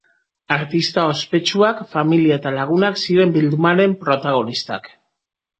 Artista ospetsuak, familia eta lagunak ziren bildumaren protagonista.